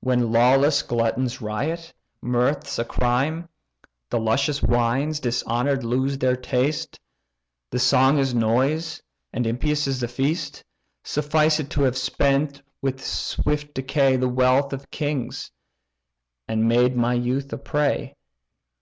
When lawless gluttons riot, mirth's a crime; The luscious wines, dishonour'd, lose their taste; The song is noise, and impious is the feast. Suffice it to have spent with swift decay The wealth of kings, and made my youth a prey.